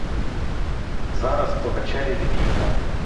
Зараз по вечері від'їхав.